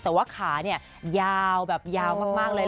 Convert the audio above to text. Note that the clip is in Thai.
แต่ว่าขาเนี่ยยาวแบบยาวมากเลย